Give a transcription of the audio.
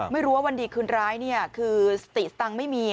ไม่รู้ว่าวันดีคืนร้ายคือสติสตังค์ไม่มี